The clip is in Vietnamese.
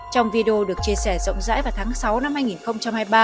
trong video được chia sẻ rộng rãi vào tháng sáu năm hai nghìn hai mươi ba